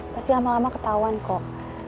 pasti lama lama ketahuan kok